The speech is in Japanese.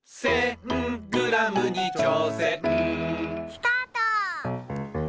・スタート！